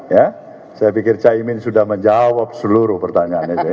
ya saya pikir caimin sudah menjawab seluruh pertanyaan itu ya